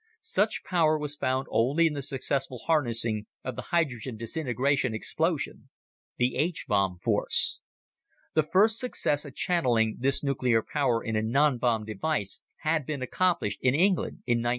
Such power was found only in the successful harnessing of the hydrogen disintegration explosion the H bomb force. The first success at channeling this nuclear power in a nonbomb device had been accomplished in England in 1958.